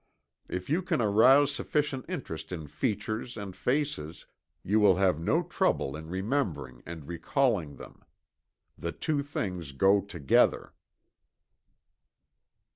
If you can arouse sufficient interest in features and faces, you will have no trouble in remembering and recalling them. The two things go together.